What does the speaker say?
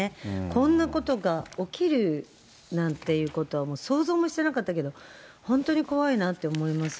こんなことが起きるなんていうことはもう、想像もしてなかったけど、本当に怖いなって思います。